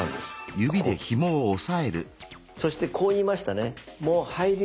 そしてこう言いましたね？